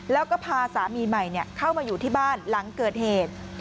แล้วก็พาสามีใหม่เข้ามาอยู่ที่บ้านหลังเกิดเหตุ